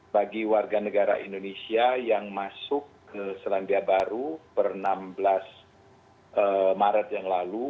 bagi warga negara indonesia yang masuk ke selandia baru per enam belas maret yang lalu